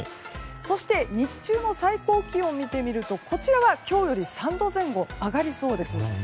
そして日中の最高気温を見てみるとこちらは今日より３度前後上がりそうです。